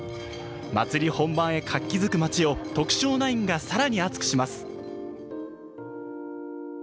祭り本番へ活気づく街を徳商ナインがさらに熱くします。